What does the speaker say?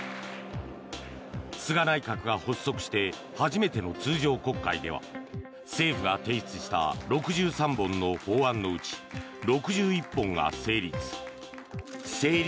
菅内閣が発足して初めての通常国会では政府が提出した６３本の法案のうち６１本が成立。